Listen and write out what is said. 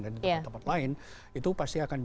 dan di tempat lain itu pasti akan